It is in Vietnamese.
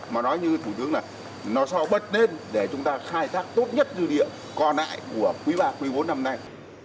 mà nói như thủ tướng là nó sẽ bật lên để chúng ta khai thác tốt nhất dư địa còn lại của quý ba quý bốn năm nay